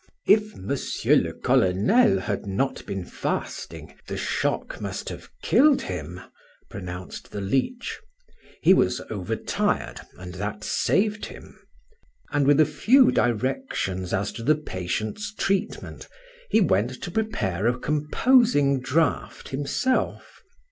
"If Monsieur le Colonel had not been fasting, the shock must have killed him," pronounced the leech. "He was over tired, and that saved him," and with a few directions as to the patient's treatment, he went to prepare a composing draught himself.